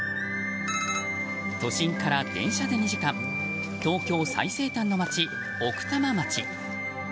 都心から電車で２時間東京最西端の町、奥多摩町。